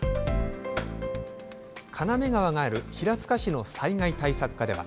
金目川がある平塚市の災害対策課では。